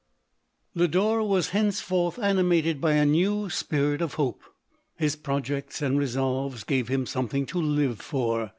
Lodore was henceforth animated by a new spirit of hope. His projects and resolves gave him something to live for.